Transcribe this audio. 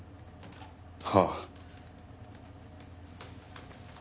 はあ。